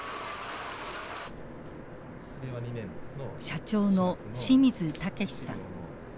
社長の清水建志さん。